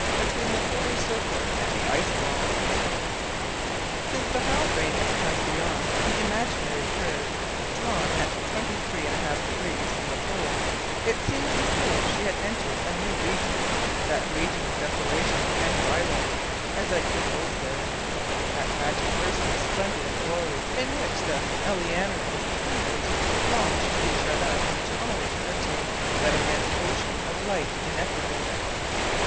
BETWEEN THE POLAR CIRCLE AND THE ICE WALL. Since the Halbrane has passed beyond the imaginary curve drawn at twenty three and a half degrees from the Pole, it seems as though she had entered a new region, "that region of Desolation and Silence," as Edgar Poe says; that magic person of splendour and glory in which the Eleanora's singer longed to be shut up to all eternity; that immense ocean of light ineffable.